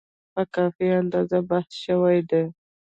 په کافي اندازه بحث شوی دی.